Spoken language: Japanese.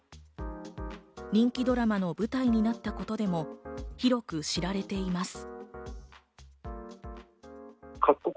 人気ドラマの舞台になったことでも広く知られています。